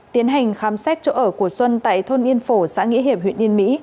tiến hành khám xét chỗ ở của xuân tại thôn yên phổ xã nghĩa hiệp huyện yên mỹ